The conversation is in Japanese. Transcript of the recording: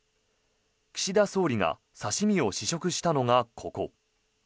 岸田総理が刺し身を試食したのがここ。